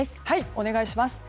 お願いします。